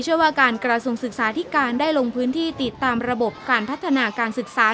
ว่าการกระทรวงศึกษาธิการได้ลงพื้นที่ติดตามระบบการพัฒนาการศึกษา